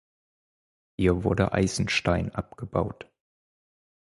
Hier wurde Eisenstein abgebaut.